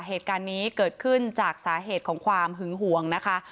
เหตุการณ์นี้เกิดขึ้นจากสาเหตุของความหึงห่วงนะคะ